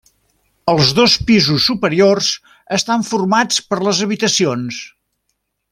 Els dos pisos superiors estan formats per les habitacions.